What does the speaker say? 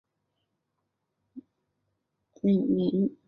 它以俄亥俄州托莱多命名。